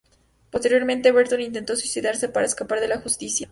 Posteriormente, Berton intentó suicidarse, para escapar de la justicia.